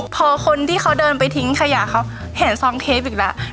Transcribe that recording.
พอคนที่เขาเดินไปทิ้งขยะเขาเห็นซองเทปอีกแล้ว